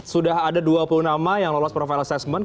sudah ada dua puluh nama yang lolos profile assessment